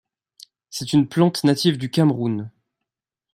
C’est une plante native du Cameroun.